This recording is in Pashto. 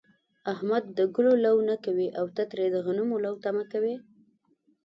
احمد د گلو لو نه کوي، او ته ترې د غنمو لو تمه کوې.